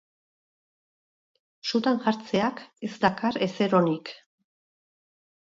Sutan jartzeak ez dakar ezer onik.